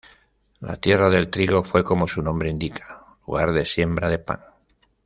La tierra del Trigo fue como su nombre indica, lugar de siembra de pan.